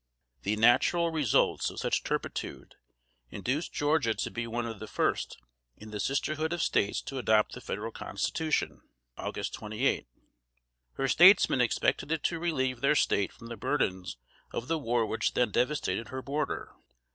] The natural results of such turpitude, induced Georgia to be one of the first in the sisterhood of States to adopt the Federal Constitution (Aug. 28). Her statesmen expected it to relieve their State from the burthens of the war which then devastated her border. [Sidenote: 1789.